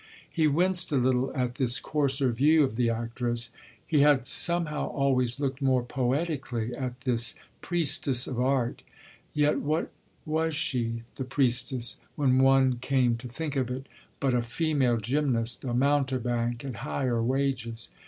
He winced a little at this coarser view of the actress; he had somehow always looked more poetically at that priestess of art. Yet what was she, the priestess, when one came to think of it, but a female gymnast, a mountebank at higher wages?